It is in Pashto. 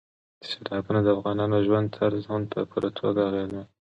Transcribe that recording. سیلابونه د افغانانو د ژوند طرز هم په پوره توګه اغېزمنوي.